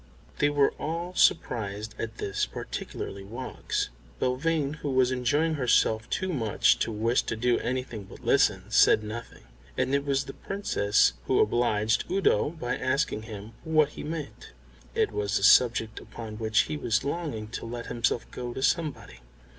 They were all surprised at this, particularly Woggs. Belvane, who was enjoying herself too much to wish to do anything but listen, said nothing, and it was the Princess who obliged Udo by asking him what he meant. It was a subject upon which he was longing to let himself go to somebody.